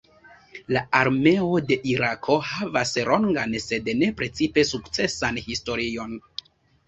La armeo de Irako havas longan sed ne precipe sukcesan historion.